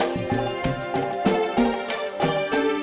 kita ngobrol di dalem